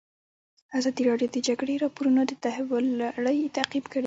ازادي راډیو د د جګړې راپورونه د تحول لړۍ تعقیب کړې.